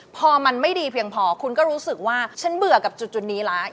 ไปของซึ่งรู้สึกว่าฉันเบื่อแค่นี้แล้ว